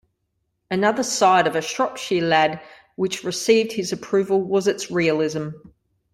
Another side of "A Shropshire Lad" which received his approval was its realism.